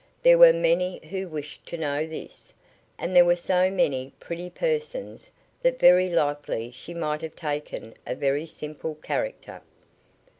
There were many who wished to know this, and there were so many pretty persons that very likely she might have taken a very simple character.